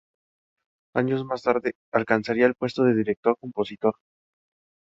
Años más tarde alcanzaría el puesto de director-compositor.